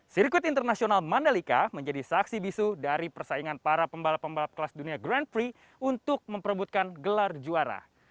sirkuit internasional mandalika menjadi saksi bisu dari persaingan para pembalap pembalap kelas dunia grand prix untuk memperebutkan gelar juara